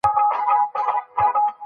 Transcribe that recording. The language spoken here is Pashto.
تاسو باید ښه خلک خپل ځان ته نږدې کړئ.